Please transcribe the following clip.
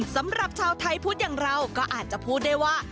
สำหรับชาวไทยพุทธอย่างเราก็อาจจะพูดได้ว่า